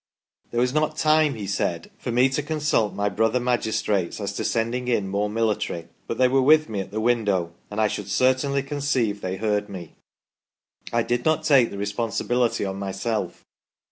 ' There was not time," he said, " for me to consult my brother magistrates as to sending in more military, but they were with me at the window, and I should certainly conceive they heard me. 1 did not take the responsibility on myself.